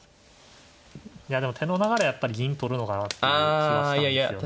いやでも手の流れはやっぱり銀取るのかなっていう気はしたんですよね。